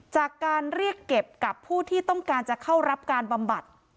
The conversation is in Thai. จากการเรียกเก็บกับผู้ที่ต้องการจะเข้ารับการบำบัด